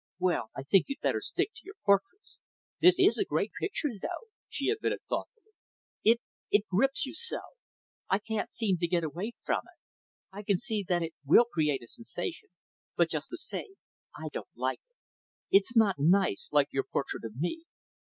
Well, I think you'd better stick to your portraits. This is a great picture though," she admitted thoughtfully. "It, it grips you so. I can't seem to get away from it. I can see that it will create a sensation. But just the same, I don't like it. It's not nice, like your portrait of me.